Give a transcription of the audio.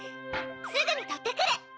すぐにとってくる！